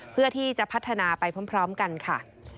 เพื่อที่จะพัฒนาไปพร้อมกันค่ะ